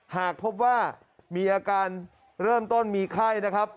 หากพบว่ามีอาการเริ่มต้นมีไข้นะครับ